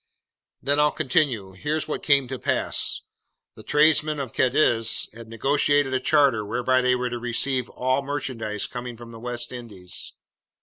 "Then I'll continue. Here's what came to pass. The tradesmen of Cadiz had negotiated a charter whereby they were to receive all merchandise coming from the West Indies.